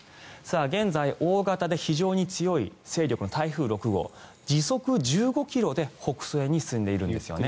現在、大型で非常に強い勢力の台風６号時速１５ｋｍで北西に進んでいるんですよね。